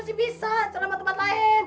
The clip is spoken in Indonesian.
lo masih bisa cerama tempat lain